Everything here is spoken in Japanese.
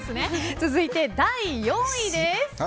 続いて第４位です。